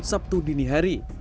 sabtu dini hari